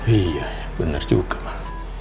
iya bener juga mah